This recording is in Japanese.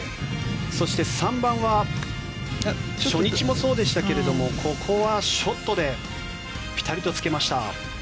そして、３番は初日もそうでしたけれどここはショットでピタリとつけました。